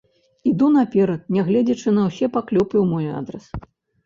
Іду наперад, нягледзячы на ўсе паклёпы ў мой адрас!